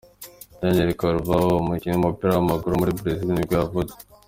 Daniel Carvalho, umukinnyi w’umupira w’amaguru wo muri Brazil nibwo yavutse.